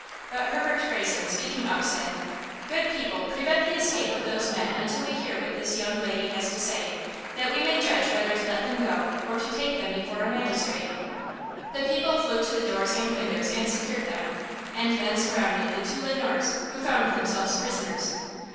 But Herbert Greyson, speaking up, said: "Good people, prevent the escape of those men until we hear what this young lady has to say! that we may judge whether to let them go or to take them before a magistrate." The people flew to the doors and windows and secured them, and then surrounded the two Le Noirs, who found themselves prisoners.